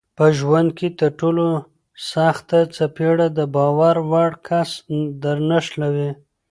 په ژوند کې ترټولو سخته څپېړه دباور وړ کس درنښلوي